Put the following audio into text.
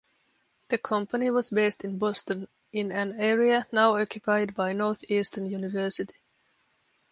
The company was based in Boston, in an area now occupied by Northeastern University.